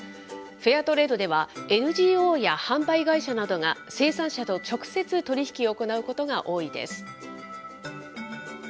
フェアトレードでは、ＮＧＯや販売会社などが、生産者と直接取り引きを行うことが多いです。